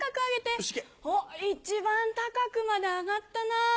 一番高くまで揚がったなぁ。